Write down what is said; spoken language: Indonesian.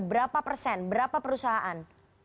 berapa persen berapa perusahaan